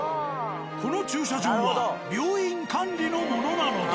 この駐車場は病院管理のものなのだ。